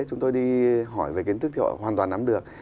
chúng tôi đi hỏi về kiến thức thì họ hoàn toàn nắm được